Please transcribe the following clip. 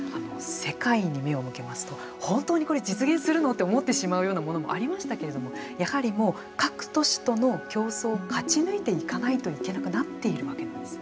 世界に目を向けますと本当に、これ実現するのって思ってしまうようなものもありましたけれどもやはり、もう各都市との競争を勝ち抜いていかないといけなくはい。